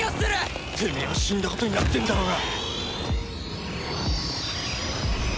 てめえは死んだことになってんだろうが！